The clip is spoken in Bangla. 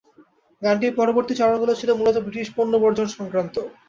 গানটির পরবর্তী চরণগুলো ছিল মূলতঃ ব্রিটিশ পণ্য বর্জন সংক্রান্ত।